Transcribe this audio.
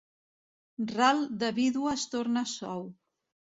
Ral de vídua es torna sou.